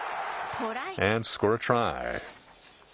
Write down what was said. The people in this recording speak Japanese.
トライ。